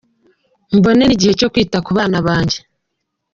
Mbone n’igihe cyo kwita ku bana banjye.